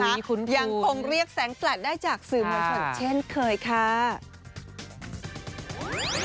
คุ้นคุ้นยังคงเรียกแสงแปลดได้จากสื่อมูลเฉินเช่นเคยค่ะคุ้น